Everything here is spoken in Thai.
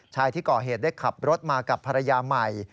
ชายที่ก่อเหตุได้ขับรถมากับภรรยาใหม่